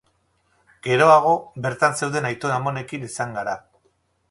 Geroago, bertan zeuden aitona-amonekin izan gara.